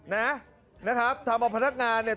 นะครับทำเอาพนักงานเนี่ย